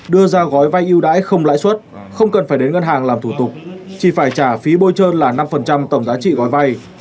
đưa ra gói vay ưu đãi không lãi xuất không cần phải đến ngân hàng làm thủ tục chỉ phải trả phí bôi trơn là năm tổng giá trị gói vay